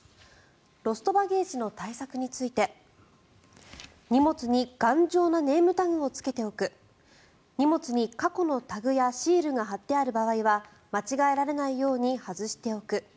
ロストバゲージの対策について荷物に頑丈なネームタグをつけておく荷物に過去のタグやシールが貼ってある場合は間違えられないように外しておく。